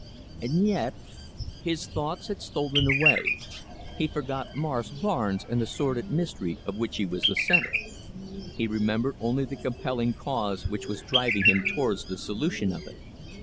And yet " His thoughts had stolen away. He forgot Morris Barnes and the sordid mystery of which he was the centre. He remembered only the compelling cause which was driving him towards the solution of it.